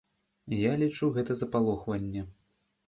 Я лічу, гэта запалохванне.